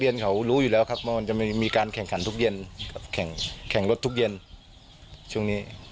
เดี๋ยวจะเป็นเหมือนแบบให้